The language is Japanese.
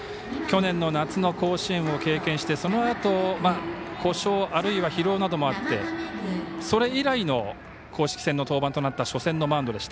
去年の夏の甲子園を経験してそのあと、故障あるいは疲労などもあってそれ以来の公式戦の登板となった初戦のマウンド。